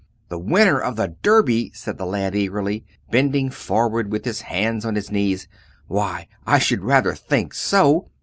"The winner of the Derby!" said the lad, eagerly, bending forward with his hands on his knees; "why, I should rather think so!